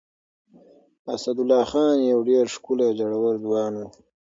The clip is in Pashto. اسدالله خان يو ډېر ښکلی او زړور ځوان و.